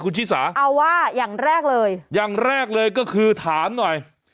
คุณชิสาเอาว่าอย่างแรกเลยอย่างแรกเลยก็คือถามหน่อย